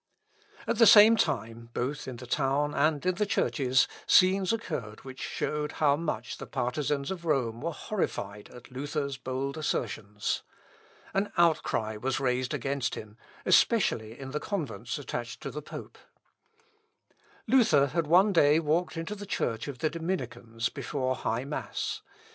At the same time, both in the town and in the churches scenes occurred which showed how much the partisans of Rome were horrified at Luther's bold assertions. An outcry was raised against him, especially in the convents attached to the pope. Luther had one day walked into the church of the Dominicans, before high mass.